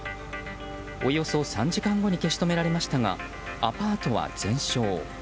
およそ３時間後に消し止められましたがアパートは全焼。